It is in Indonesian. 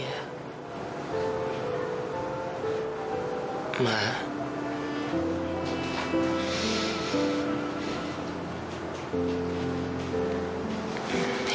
akunya gak bisa ma aku cinta sama dia